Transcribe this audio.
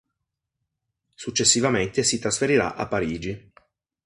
Successivamente si trasferirà a Parigi.